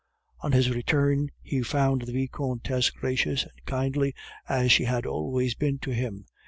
On his return he found the Vicomtesse gracious and kindly, as she had always been to him.